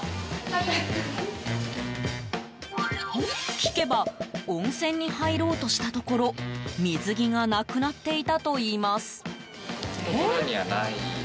聞けば温泉に入ろうとしたところ水着がなくなっていたといいます。